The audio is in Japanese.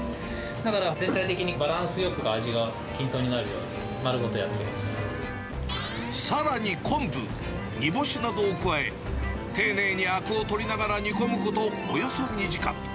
だから全体的にバランスよく味が均等になるさらに昆布、煮干しなどを加え、丁寧にあくを取りながら煮込むことおよそ２時間。